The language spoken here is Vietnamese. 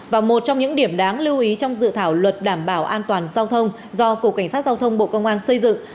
và một trong những điểm đáng lưu ý trong dự thảo luật đảm bảo an toàn giao thông do cục cảnh sát giao thông bộ công an xây dựng